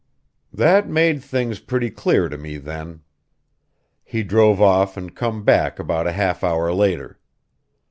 "That made things pretty clear to me then. He drove off and come back about a half hour later.